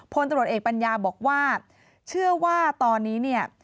พลตรวจเอกปัญญาบอกว่าเชื่อว่าตอนนี้เนี่ย